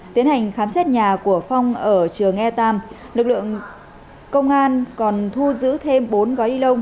tiến hành khám xét nhà của phong ở trường e tam lực lượng công an còn thu giữ thêm bốn gói ni lông